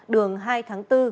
đường hai tháng bốn